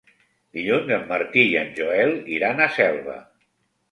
Dilluns en Martí i en Joel iran a Selva.